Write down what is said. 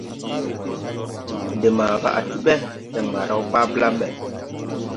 De maaga á ti ɗee, Tɛmga raw baa blam ɓɛ.